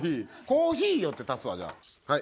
「コーヒーよ」って足すわじゃあ。